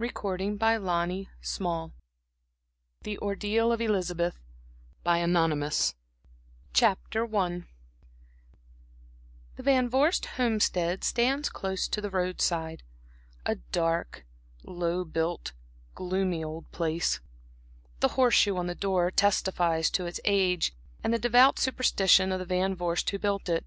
TAYLOR AND COMPANY, NEW YORK THE ORDEAL OF ELIZABETH Chapter I The Van Vorst Homestead stands close to the road side; a dark, low built, gloomy old place. The horse shoe on the door, testifies to its age, and the devout superstition of the Van Vorst who built it.